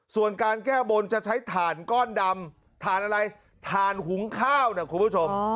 ส่วนการแก้บนจะใช้ถ่านก้อนดำถ่านอะไรถ่านหุงข้าวนะคุณผู้ชม